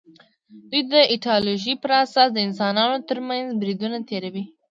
دوی د ایدیالوژۍ پر اساس د انسانانو تر منځ بریدونه تېروي